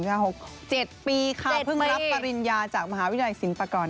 ๖๗ปีค่ะเพิ่งรับปริญญาจากมหาวิทยาลัยศิลปากร